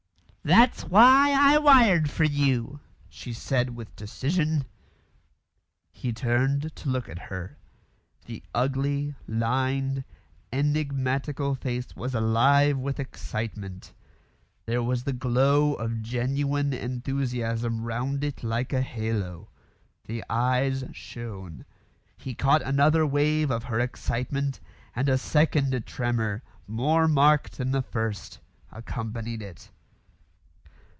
"That's why I wired for you," she said with decision. He turned to look at her. The ugly, lined, enigmatical face was alive with excitement. There was the glow of genuine enthusiasm round it like a halo. The eyes shone. He caught another wave of her excitement, and a second tremor, more marked than the first, accompanied it.